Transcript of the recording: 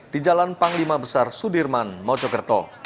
di jalan panglima besar sudirman mojokerto